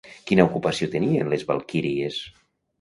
Quina ocupació tenien les valquíries?